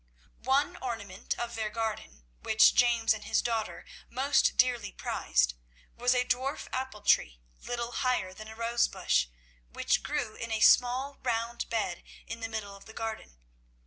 One ornament of their garden, which James and his daughter most dearly prized, was a dwarf apple tree little higher than a rose bush, which grew in a small round bed in the middle of the garden.